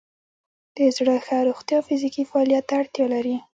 د زړه ښه روغتیا فزیکي فعالیت ته اړتیا لري.